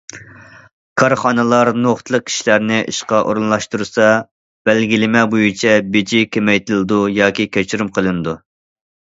كارخانىلار نۇقتىلىق كىشىلەرنى ئىشقا ئورۇنلاشتۇرسا، بەلگىلىمە بويىچە بېجى كېمەيتىلىدۇ ياكى كەچۈرۈم قىلىنىدۇ.